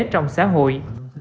trong xã hội